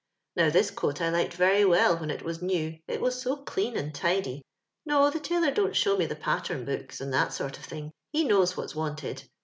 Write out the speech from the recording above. Now this ooat I liked rm well wbm, it waa new, it was so dean and tidy. No, tlie tailor dent ahow me the pattern books and that tort of tUng: he knows whatfa wanted.